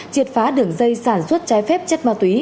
triệt phá đường dây sản xuất trái phép chất ma túy